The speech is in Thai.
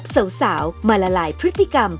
สู้ไหมค่ะ